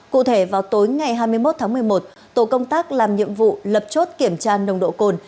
cụ thể vào tối ngày hai mươi một tháng một mươi một tổ công tác làm nhiệm vụ lập chốt kiểm tra nồng độ cồn